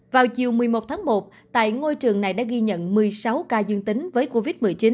vào chiều một mươi một tháng một tại ngôi trường này đã ghi nhận một mươi sáu ca dương tính với covid một mươi chín